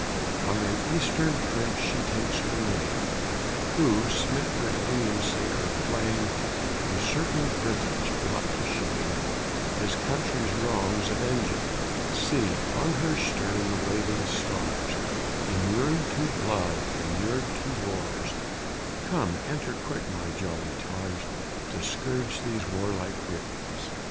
From an Eastern prince she takes her name, Who, smit with Freedom's sacred flame, Usurping Britons brought to shame, His country's wrongs avenging; See, on her stern the waving stars Inured to blood, inured to wars, Come, enter quick, my jolly tars, To scourge these warlike Britons.